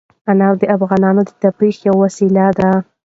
انار د افغانانو د تفریح یوه وسیله ده.